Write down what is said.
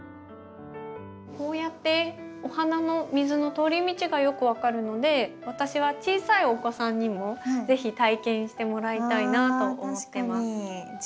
こうやってお花の水の通り道がよく分かるので私は小さいお子さんにも是非体験してもらいたいなと思ってます。